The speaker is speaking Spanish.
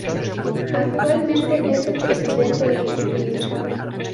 Actualmente es el presidente ejecutivo.